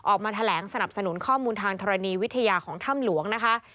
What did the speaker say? ออกมาแถลงสนับสนุนข้อมูลทางธรณีวิทยาของถ้ำหลวงนะคะ